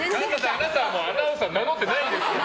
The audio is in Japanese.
あなたはアナウンサーもう名乗ってないですから！